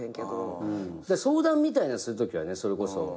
相談みたいなするときはそれこそ。